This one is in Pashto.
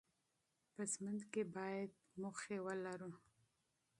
په ژوند کې باید هدف ولرو.